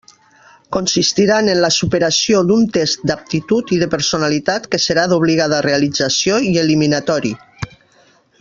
Consistiran en la superació d'un test d'aptitud i de personalitat que serà d'obligada realització i eliminatori.